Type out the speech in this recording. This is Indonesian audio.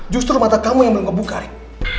justru mata kamu yang belum kebuka rik